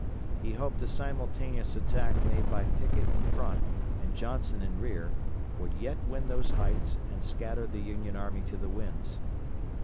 He hoped a simultaneous attack made by Pickett in front and Johnson in rear, would yet win those heights and scatter the Union army to the winds.